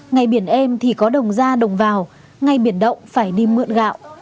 ngày biển êm thì có đồng ra đồng vào ngày biển động phải đi mượn gạo